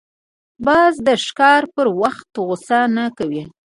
باز د ښکار پر وخت غوسه نه کوي